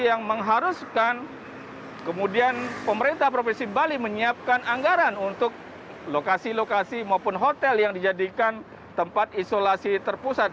yang mengharuskan kemudian pemerintah provinsi bali menyiapkan anggaran untuk lokasi lokasi maupun hotel yang dijadikan tempat isolasi terpusat